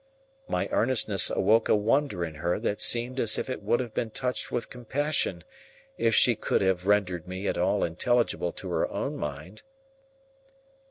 My earnestness awoke a wonder in her that seemed as if it would have been touched with compassion, if she could have rendered me at all intelligible to her own mind.